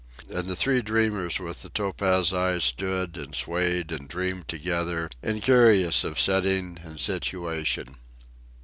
And the three dreamers with the topaz eyes stood and swayed and dreamed together, incurious of setting and situation.